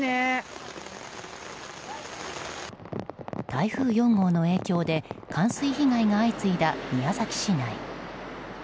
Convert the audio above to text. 台風４号の影響で冠水被害が相次いだ宮崎市内。